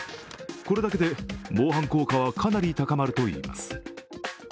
これだけで防犯効果はかなり高まるといいます。